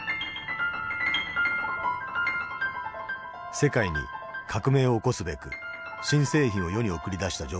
世界に革命を起こすべく新製品を世に送り出したジョブズ。